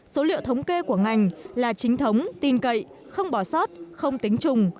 số liệu thống kê của ngành là chính thống tin cậy không bỏ sót không tính trùng